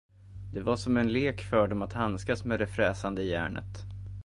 Det var som en lek för dem att handskas med det fräsande järnet.